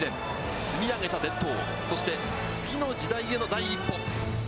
積み上げた伝統、そして次の時代への第一歩。